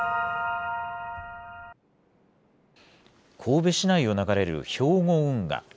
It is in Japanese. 神戸市内を流れる兵庫運河。